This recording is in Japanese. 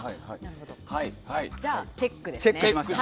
じゃあチェックで。